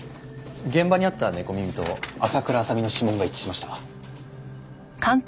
現場にあった猫耳と朝倉亜沙美の指紋が一致しました。